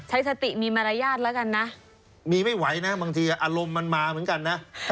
ใช้สติมีมารยาทแล้วกันนะ